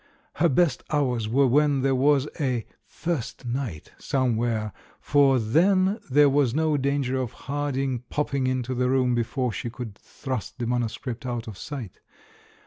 Her best hours were when there was a "first night" somewhere, for then there was no danger of Harding popping into the room before she could thrust the manuscript out of sight.